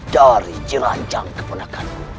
dari jiranjang keponakan ku